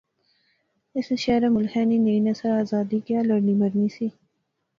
اس نے شہرے ملخے نی نئی نسل آزادی کیا لڑنی مرنی سی